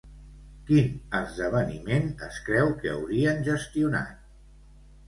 Quin esdeveniment es creu que haurien gestionat?